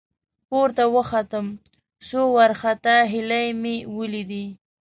، پورته وختم، څو وارخطا هيلۍ مې ولېدې.